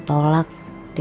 belas k szama dia